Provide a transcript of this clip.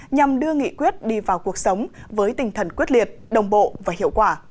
nhằm đưa nghị quyết đi vào cuộc sống với tinh thần quyết liệt đồng bộ và hiệu quả